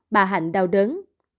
bà hạnh đau đớn